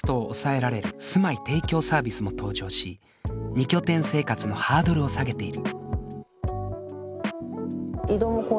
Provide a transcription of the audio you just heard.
二拠点生活のハードルを下げている。